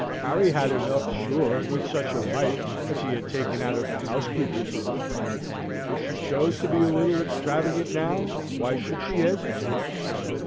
Harry had enough, sure, with such a wife as he had taken out of the housekeeper's room. If she chose to be a little extravagant now, why should she hesitate?